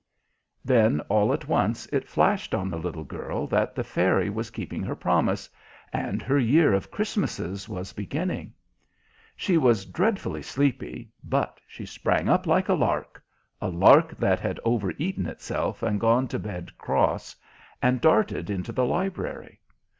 Then all at once it flashed on the little girl that the Fairy was keeping her promise, and her year of Christmases was beginning. She was dreadfully sleepy, but she sprang up like a lark a lark that had overeaten itself and gone to bed cross and darted into the library.